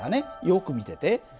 よく見てて。